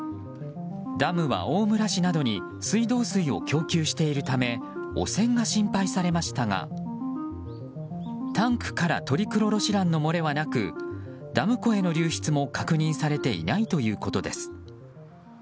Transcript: ダムは大村市などに水道水を供給しているため汚染が心配されましたがタンクからトリクロロシランの漏れはなくダム湖への流出も確認されていないということです。